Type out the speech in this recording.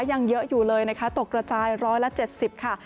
ยังเยอะอยู่เลยนะคะตกกระจาย๑๗๐ค่ะ